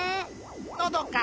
のどか！